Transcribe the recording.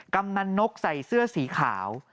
กำนันนกใส่เสื้อสีขาว